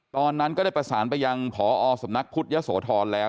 ตอนนั้นก็ได้ประสานไปยังพอสำนักพุทธยะโสธรแล้ว